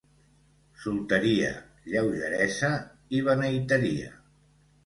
Solteria, lleugeresa i beneiteria.